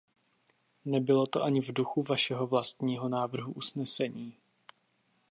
Nebylo by to ani v duchu vašeho vlastního návrhu usnesení.